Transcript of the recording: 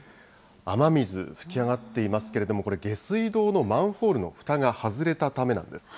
雨水、噴き上がっていますけれども、下水道のマンホールのふたが外れたためなんです。